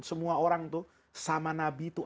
semua orang tuh sama nabi itu